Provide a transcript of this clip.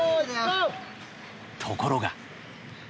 ところが。